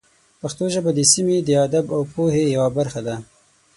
پښتو ژبه د سیمې د ادب او پوهې یوه برخه ده.